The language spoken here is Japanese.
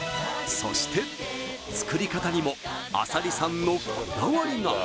そして作り方にも阿佐利さんのこだわりが！